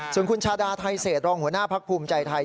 ส่วนคุณชาดาไทเศษรองหัวหน้าพักภูมิใจไทย